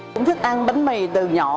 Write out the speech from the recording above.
cũng thích ăn bánh mì từ nhỏ